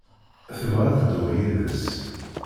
Tebɣa ad dduɣ yid-s.